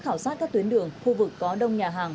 khảo sát các tuyến đường khu vực có đông nhà hàng